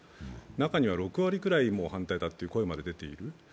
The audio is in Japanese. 中には６割ぐらい反対だという声まで出てくる。